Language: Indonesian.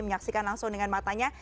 menyaksikan langsung dengan matanya